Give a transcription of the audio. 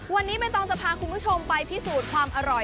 วันนี้ใบตองจะพาคุณผู้ชมไปพิสูจน์ความอร่อย